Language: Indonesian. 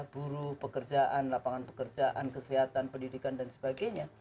buruh pekerjaan lapangan pekerjaan kesehatan pendidikan dan sebagainya